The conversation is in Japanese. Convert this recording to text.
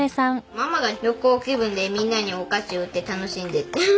ママが旅行気分でみんなにお菓子を売って楽しんでフフ。